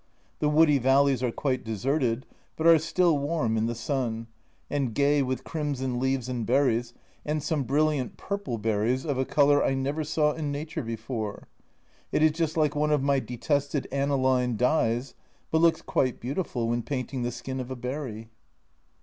The woody valleys are quite deserted, but are still warm in the sun, and gay with crimson leaves and berries, and some brilliant purple berries of a colour I never saw in Nature before it is just like one of my detested aniline dyes, but looks quite beautiful when painting the skin of a berry!